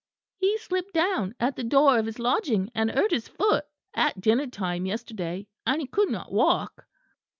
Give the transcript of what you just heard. "He slipped down at the door of his lodging and hurt his foot, at dinner time yesterday; and he could not walk."